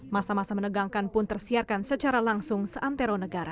masa masa menegangkan pun tersiarkan secara langsung seantero negara